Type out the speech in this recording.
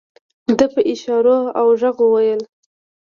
ده په اشارو او غږ وويل.